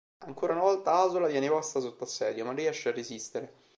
Ancora una volta Asola viene posta sotto assedio, ma riesce a resistere.